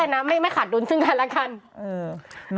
เขาเรียกอะไรนะไม่ขาดดุนทึ่งกันละกัน